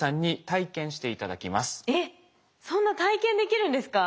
えっそんな体験できるんですか？